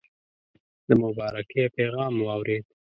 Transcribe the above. د مبارکی پیغام واورېد.